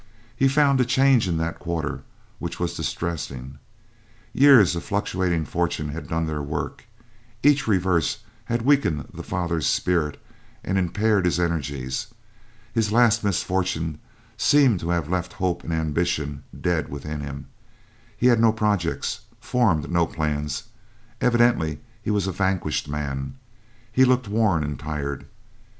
He found a change in that quarter which was distressing; years of fluctuating fortune had done their work; each reverse had weakened the father's spirit and impaired his energies; his last misfortune seemed to have left hope and ambition dead within him; he had no projects, formed no plans evidently he was a vanquished man. He looked worn and tired.